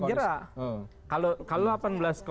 tidak ada efek jerak